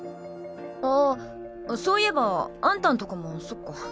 あそういえばあんたンとこもそっか。